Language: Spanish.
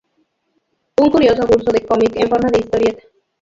Un curioso curso de cómic en forma de historieta.